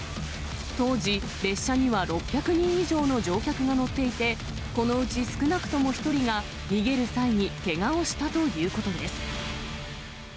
当時、列車には６００人以上の乗客が乗っていて、このうち少なくとも１人が逃げる際にけがをしたということです。